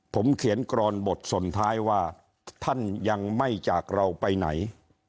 ผมเขียนกรอนบทสนท้ายว่าท่านยังไม่จากเราไปไหน